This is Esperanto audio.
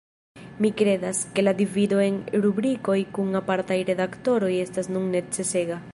Mi kredas, ke la divido en rubrikoj kun apartaj redaktoroj estas nun necesega.